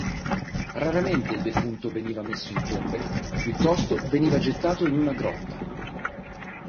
Raramente il defunto veniva messo in tombe; piuttosto veniva gettato in una grotta.